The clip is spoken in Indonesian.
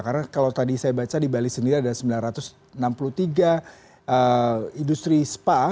karena kalau tadi saya baca di bali sendiri ada sembilan ratus enam puluh tiga industri spa